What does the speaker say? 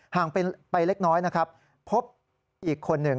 ห่างไปเล็กน้อยพบอีกคนหนึ่ง